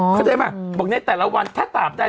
เขาได้มาบอกอย่างเนี้ยแต่ละวัน